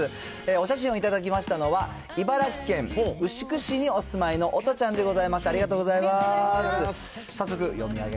お写真を頂きましたのは、茨城県牛久市にお住まいのおとちゃんでございます。